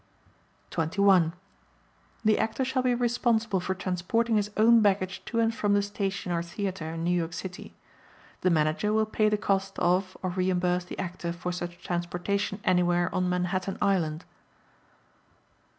21. The Actor shall be responsible for transporting his own baggage to and from the station or theatre in New York City. The Manager will pay the cost of or reimburse the Actor for such transportation anywhere on Manhattan Island.